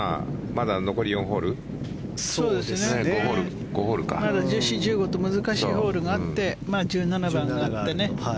まだ１４、１５と難しいホールがあって１７番があってね。